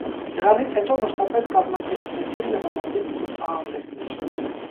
Դրանից հետո մշտապես կազմակերպվեցին նմանատիպ ցուցահանդեսներ։